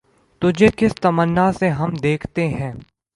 تجھے کس تمنا سے ہم دیکھتے ہیں